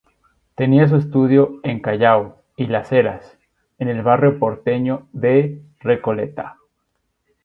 Tenía su estudio en Callao y Las Heras, en el barrio porteño de Recoleta.